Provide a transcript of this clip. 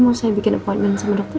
mau saya bikin apartemen sama dokter